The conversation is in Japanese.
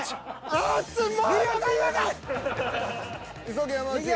急げ山内。